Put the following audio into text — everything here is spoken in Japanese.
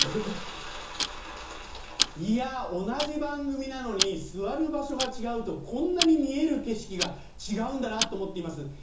いや同じ番組なのに座る場所が違うとこんなに見える景色が違うんだなと思っています。